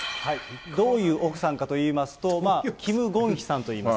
どういう奥さんかといいますと、キム・ゴンヒさんといいます。